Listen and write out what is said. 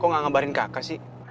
kok gak ngabarin kakak sih